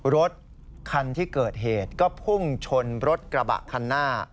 รถคันที่เกิดเหตุก็พุ่งชนรถกระบะคันหน้า